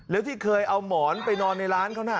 แล้วที่เคยเอาหมอนไปนอนในร้านเขาน่ะ